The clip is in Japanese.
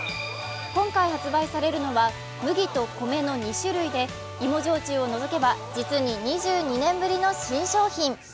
今回発売されるのは、麦と米の２種類で芋焼酎を除けば、実に２２年ぶりの新商品。